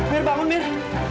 mir bangun mir